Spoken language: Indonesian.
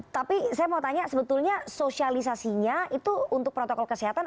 tapi saya mau tanya sebetulnya sosialisasinya itu untuk protokol kesehatan